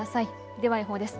では予報です。